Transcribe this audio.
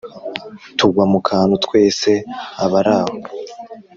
Tugwa mu kantu twese abarraho